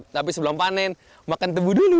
tapi sebelum panen makan tebu dulu